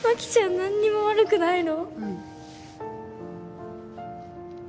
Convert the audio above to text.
何にも悪くないの。